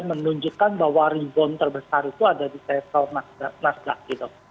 menunjukkan bahwa rebound terbesar itu ada di sektor nasdaq gitu